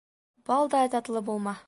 Балдай татлы булма.